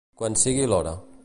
Quan sigui l'hora.